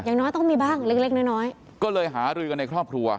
แหล่งนะต้องมีบ้างเล็กน้อยก็เลยหารื่นกันในครอบครัว